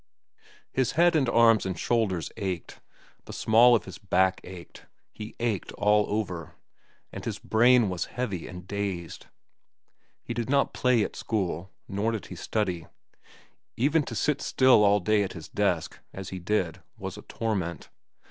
His head and arms and shoulders ached, the small of his back ached,—he ached all over, and his brain was heavy and dazed. He did not play at school. Nor did he study. Even to sit still all day at his desk, as he did, was a torment.